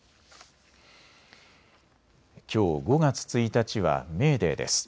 きょう５月１日はメーデーです。